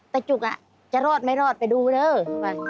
แต่จุ๊กอะจะรอดไหมรอดไปดูเลย